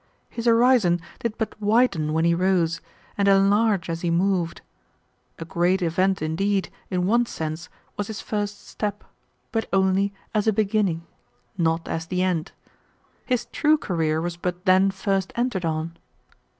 His horizon did but widen when he rose, and enlarge as he moved. A great event indeed, in one sense, was his first step, but only as a beginning, not as the end. His true career was but then first entered on.